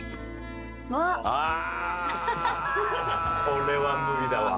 これは無理だわ。